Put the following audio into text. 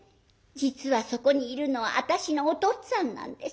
実はそこにいるのは私のおとっつぁんなんです。